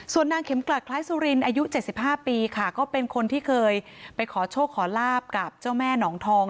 ส่วนนางเข็มกลัดคล้ายสุรินอายุ๗๕ปีค่ะก็เป็นคนที่เคยไปขอโชคขอลาบกับเจ้าแม่หนองทอง